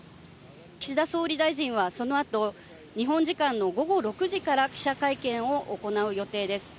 岸田総理大臣はその後、日本時間の午後６時から記者会見を行う予定です。